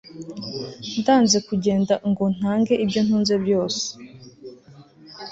ndanze kugenda ngo ntange ibyo ntunze byose